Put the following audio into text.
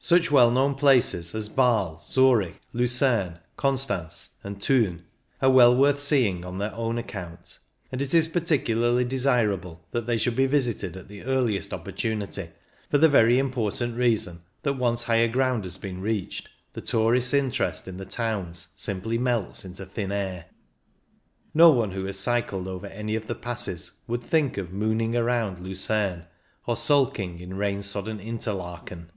Such well known places as B4le, Zurich, Lucerne, Constance and Thun are well worth seeing on their own account, and it is peculiarly desirable that they should be visited at the earliest oppor tunity, for the very important reason that, once higher ground has been reached, the tourist's interest in the towns simply melts into thin air. No one who has cycled over any of the passes would think of " moon ing" around Lucerne, or sulking in rain soddened Interlaken.